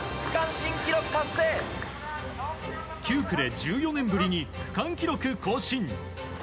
９区で１４年ぶりに区間記録更新。